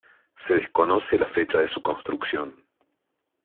Se desconoce la fecha de su construcción.